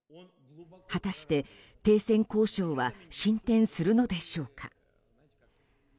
果たして、停戦交渉は進展するのでしょうか。